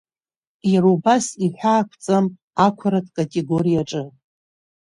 Иара убас иҳәаақәҵам ақәаратә категориа аҿы…